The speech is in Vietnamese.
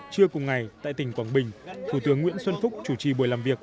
trưa cùng ngày tại tỉnh quảng bình thủ tướng nguyễn xuân phúc chủ trì buổi làm việc